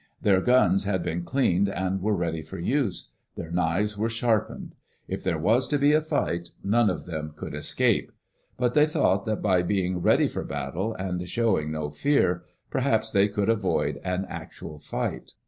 Their guns had been cleaned and were ready for use. Their knives were sharpened. If there was to be a fight, none of them could escape. But they thought that by being ready for battle, and showing no fear, perhaps they could avoid an actual fight.